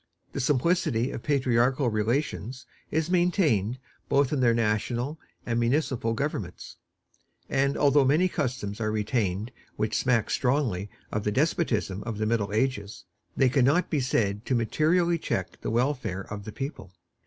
The simplicity of patriarchal relations is maintained both in their national and municipal governments; and although many customs are retained which smack strongly of the despotism of the Middle Ages, they can not be said to materially check the welfare of the people.